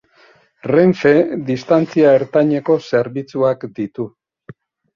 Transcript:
Renfe Distantzia Ertaineko zerbitzuak ditu.